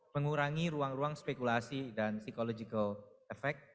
mengurangi ruang ruang spekulasi dan psychological efek